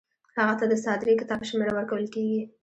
هغه ته د صادرې کتاب شمیره ورکول کیږي.